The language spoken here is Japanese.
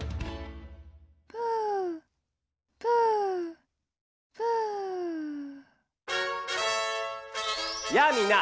プープープーやあみんな！